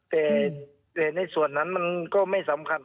แต่ในส่วนนั้นมันก็ไม่สำคัญ